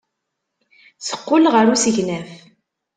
Teqqel ɣer usegnaf.